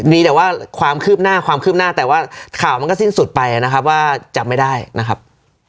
มีแต่ว่าความคืบหน้าความคืบหน้าแต่ว่าข่าวมันก็สิ้นสุดไปนะครับว่าจำไม่ได้นะครับ